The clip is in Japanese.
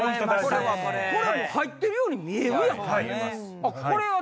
これは入ってるように見えるやん。